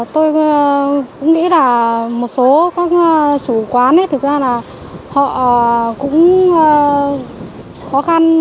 tôi cũng nghĩ là một số các chủ quán thực ra là họ cũng khó khăn